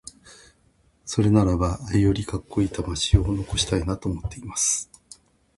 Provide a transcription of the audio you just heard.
それならば、よりカッコイイ魂を残したいなと思っています。